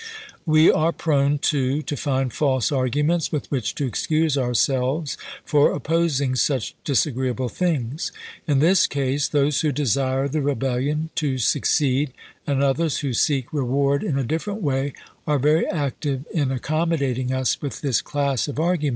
We are prone, too, to find false argu ments with which to excuse ourselves for opposing such disagreeable things. In this case, those who desire the rebellion to succeed, and others who seek reward in a different way, are very active in ac commodating us with this class of arguments.